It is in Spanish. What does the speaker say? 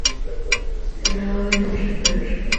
Se graduó de Mills College.